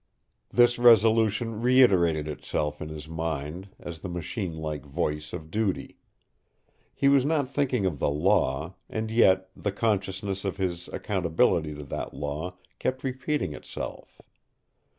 This resolution reiterated itself in his mind as the machine like voice of duty. He was not thinking of the Law, and yet the consciousness of his accountability to that Law kept repeating itself.